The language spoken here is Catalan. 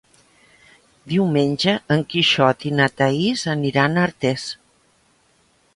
Diumenge en Quixot i na Thaís aniran a Artés.